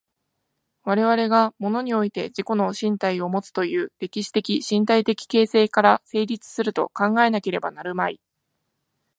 我々が物において自己の身体をもつという歴史的身体的形成から成立すると考えなければなるまい。